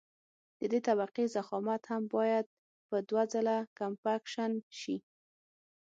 د دې طبقې ضخامت هم باید په دوه ځله کمپکشن شي